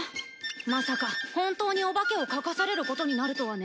まさか本当にお化けを描かされることになるとはね。